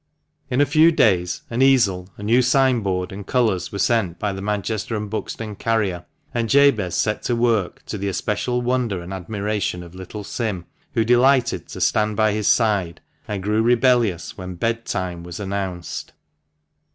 In a few days an easel, a new sign board, and colours were sent by the Manchester and Buxton carrier, and Jabez set to work, to the especial wonder and admiration of little Sim, who delighted to stand by his side, and grew rebellious when " bedtime " was announced.